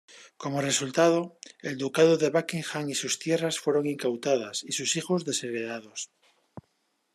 Como resultado, el ducado Buckingham y su tierras fueron incautadas, y sus hijos desheredados.